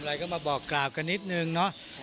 อะไรก็มาบอกกล่าวกันนิดนึงเนาะ